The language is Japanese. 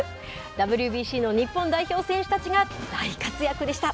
ＷＢＣの日本代表選手たちが大活躍でした。